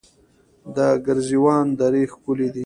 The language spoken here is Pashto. د ګرزوان درې ښکلې دي